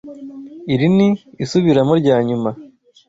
Iri ni isubiramo ryanyuma.